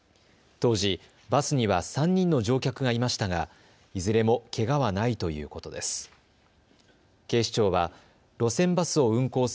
当時、バスには３人の乗客がいましたがいずれもけがはないということです。